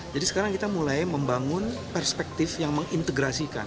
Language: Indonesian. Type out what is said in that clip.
sekarang kita mulai membangun perspektif yang mengintegrasikan